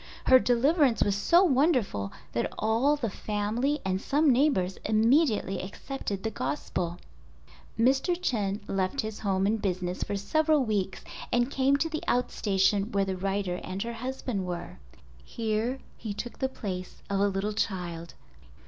Her deliverance was so wonderful that all the family and some neighbors immediately accepted the Gospel. Mr. Chen left his home and business for several weeks and came to the out station where the writer and her husband were. Here he took the place of a little child.